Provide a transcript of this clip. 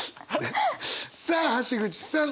さあ橋口さん